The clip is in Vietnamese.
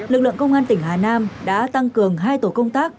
lực lượng công an tỉnh hà nam đã tăng cường hai tổ công tác